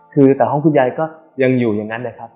คือแต่ห้องคุณยายก็ยังอยู่อย่างนั้นแหละครับ